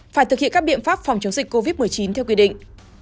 phải thực hiện các biện pháp phòng chống dịch covid một mươi chín theo quy định